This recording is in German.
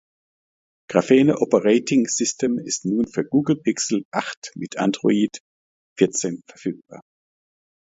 "Graphene Operating System" ist nun für das Google Pixel acht mit Android vierzehn verfügbar.